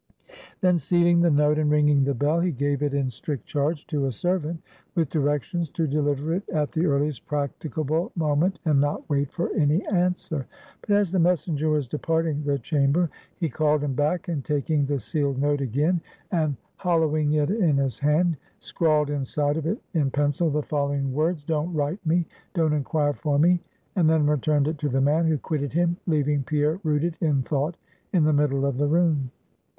Then sealing the note, and ringing the bell, he gave it in strict charge to a servant, with directions to deliver it at the earliest practicable moment, and not wait for any answer. But as the messenger was departing the chamber, he called him back, and taking the sealed note again, and hollowing it in his hand, scrawled inside of it in pencil the following words: "Don't write me; don't inquire for me;" and then returned it to the man, who quitted him, leaving Pierre rooted in thought in the middle of the room.